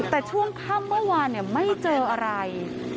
แต่ช่วงค่ำเมื่อวานไม่เจออะไร